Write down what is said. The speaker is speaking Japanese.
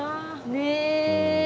ねえ！